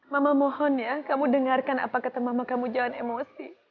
mama mohon ya kamu dengarkan apa kata mama kamu jangan emosi